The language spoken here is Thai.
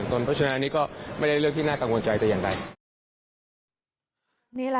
ตอนนี้ก็ไม่ได้เรื่องที่น่ากังวลใจแต่อย่างไร